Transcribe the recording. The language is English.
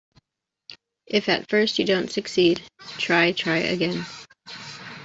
If at first you don't succeed, try, try again.